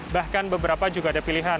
bahkan beberapa juga ada pilihan